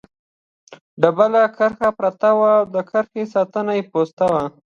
ډبله کرښه پرته وه، د کرښې د ساتنې پوسته.